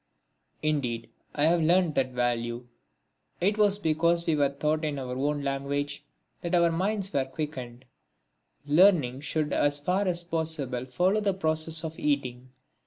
Indeed I have learnt that value. It was because we were taught in our own language that our minds quickened. Learning should as far as possible follow the process of eating.